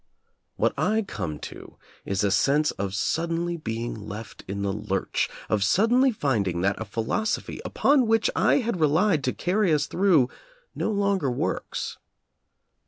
What I come to is a sense of suddenly being left in the lurch, of suddenly finding that a philosophy upon which I had relied to carry us through no longer works.